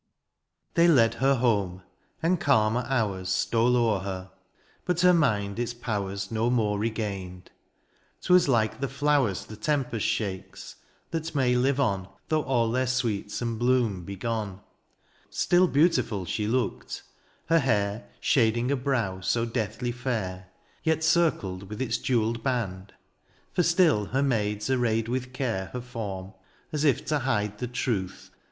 They led her home, and calmer hours Stole o^er her, but her mind its powers No more regained : ^twas like the flowers The tempest shakes, that may live on. Though all their sweets and bloom be gone. Still beautiful she looked — ^her hair. Shading a brow so deathly fair. Yet circled with its jewelled band ; For still her maids arrayed with care Her form, as if to hide the truth THE AREOPAGITE.